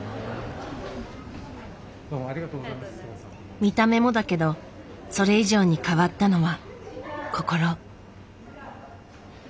見た目もだけどそれ以上に変わったのは心。